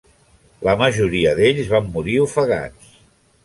La majoria d'ells van morir ofegats.